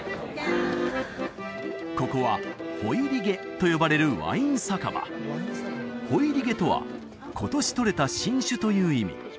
ここはホイリゲと呼ばれるワイン酒場ホイリゲとは今年とれた新酒という意味